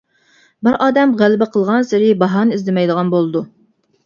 بىر ئادەم غەلىبە قىلغانسېرى باھانە ئىزدىمەيدىغان بولىدۇ.